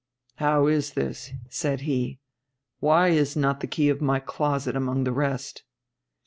'How is this? 'said he. 'Why is not the key of my closet among the rest?'